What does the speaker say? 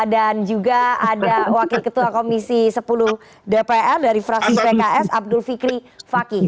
dan juga ada wakil ketua komisi sepuluh dpr dari fransis pks abdul fikri fakih